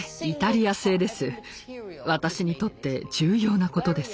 私にとって重要なことです。